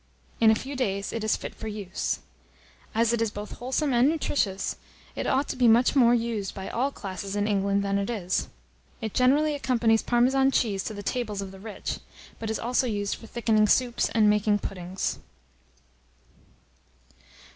In a few days it is fit for use. As it is both wholesome and nutritious, it ought to be much more used by all classes in England than it is. It generally accompanies Parmesan cheese to the tables of the rich, but is also used for thickening soups and making puddings.